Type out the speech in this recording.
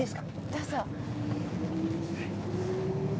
どうぞ。